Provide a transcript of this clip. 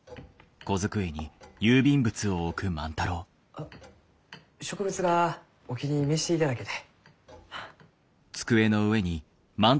あ植物画お気に召していただけて。